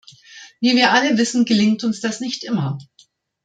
Wie wir alle wissen, gelingt uns das nicht immer.